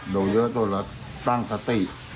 โดนเยอะต้องเราตั้งสติ